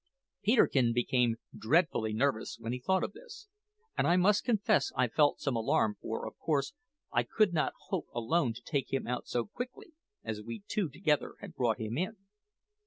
Peterkin became dreadfully nervous when he thought of this; and I must confess I felt some alarm, for, of course, I could not hope alone to take him out so quickly as we two together had brought him in.